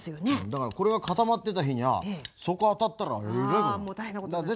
だからこれが固まってた日にはそこ当たったらえらいことになる。